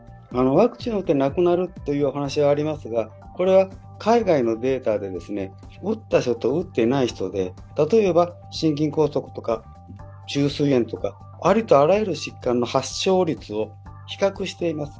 ワクチンを打って亡くなるという話はありますが海外のデータで、打った人と打っていない人で例えば、心筋梗塞とか虫垂炎とかありとあらゆる疾患の発症率を比較しています。